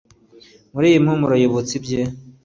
muri iyi mpumuro yibutsa ibye